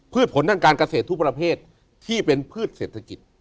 ผลด้านการเกษตรทุกประเภทที่เป็นพืชเศรษฐกิจ